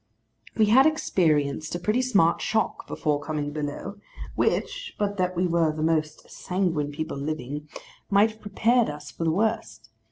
We had experienced a pretty smart shock before coming below, which, but that we were the most sanguine people living, might have prepared us for the worst.